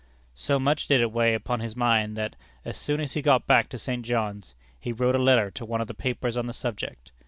So much did it weigh upon his mind that, as soon as he got back to St. John's, he wrote a letter to one of the papers on the subject.